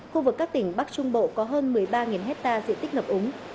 khu vực các tỉnh bắc trung bộ có hơn một mươi ba hết tan diện tích ngập úng